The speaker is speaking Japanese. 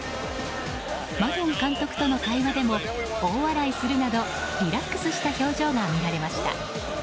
マドン監督との会話でも大笑いするなどリラックスした表情が見られました。